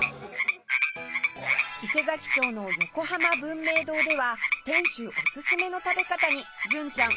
伊勢佐木町の横濱文明堂では店主おすすめの食べ方に純ちゃん